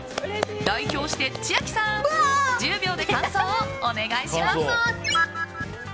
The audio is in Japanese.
代表して千秋さん１０秒で感想をお願いします。